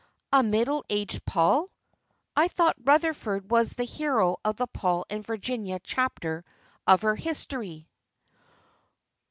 "A middle aged Paul! I thought Rutherford was the hero of the Paul and Virginia chapter of her history."